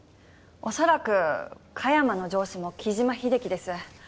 おそらく加山の上司も木島秀樹です。